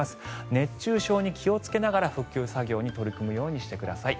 熱中症に気をつけながら復旧作業に取り組むようにしてください。